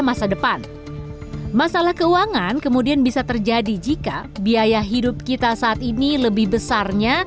masa depan masalah keuangan kemudian bisa terjadi jika biaya hidup kita saat ini lebih besarnya